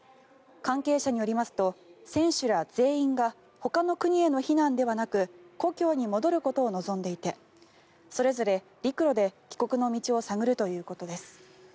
関係者によりますと選手ら全員がほかの国への避難ではなく故郷に戻ることを望んでいてそれぞれ陸路で帰国の道を探るということです。